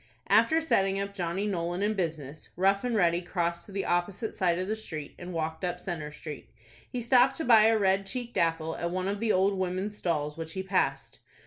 After setting up Johnny Nolan in business, Rough and Ready crossed to the opposite side of the street, and walked up Centre Street. He stopped to buy a red cheeked apple at one of the old women's stalls which he passed.